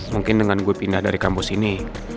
mungkin dengan gue pindah dari kampus ini